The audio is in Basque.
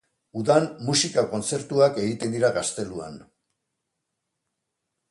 Udan musika kontzertuak egiten dira gazteluan.